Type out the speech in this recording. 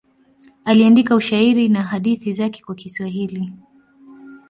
Aliandika ushairi na hadithi zake kwa Kiswahili.